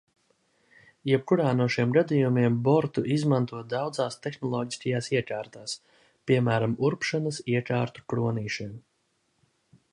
Jebkurā no šiem gadījumiem bortu izmanto daudzās tehnoloģiskajās iekārtās, piemēram urbšanas iekārtu kronīšiem.